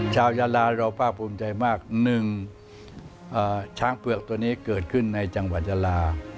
ยาลาเราภาคภูมิใจมากหนึ่งช้างเปลือกตัวนี้เกิดขึ้นในจังหวัดยาลา